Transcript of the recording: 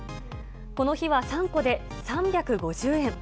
この日は３個で３５０円。